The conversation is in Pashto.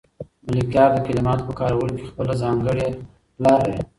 ملکیار د کلماتو په کارولو کې خپله ځانګړې لار لري.